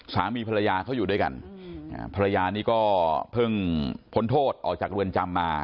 สามีภรรยาเขาอยู่ด้วยกันภรรยานี่ก็เพิ่งพ้นโทษออกจากเรือนจำมา